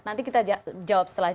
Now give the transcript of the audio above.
nanti kita jawab setelah itu